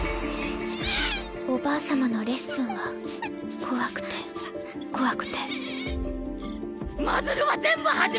バシおばあ様のレッスンは怖くて怖くて・